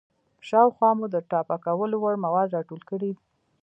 شاوخوا مو د ټاپه کولو وړ مواد راټول کړئ.